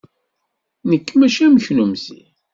Nekk maci am kennemti!